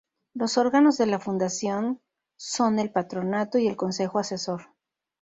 Los órganos de la fundación son el "Patronato" y el "Consejo Asesor".